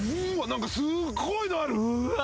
何かすごいのある。